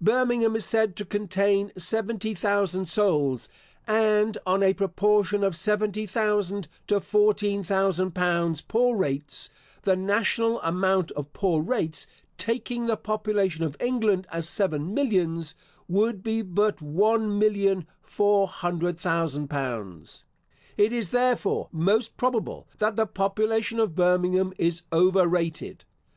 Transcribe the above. Birmingham is said to contain seventy thousand souls, and on a proportion of seventy thousand to fourteen thousand pounds poor rates, the national amount of poor rates, taking the population of England as seven millions, would be but one million four hundred thousand pounds. It is, therefore, most probable, that the population of Birmingham is over rated.